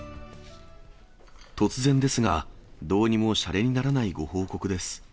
突然ですが、どうにもしゃれにならないご報告です。